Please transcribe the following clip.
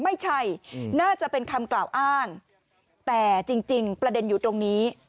ไม่ใช่น่าจะเป็นคำกล่าวอ้างแต่จริงประเด็นอยู่ตรงนี้